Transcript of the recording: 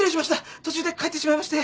途中で帰ってしまいまして。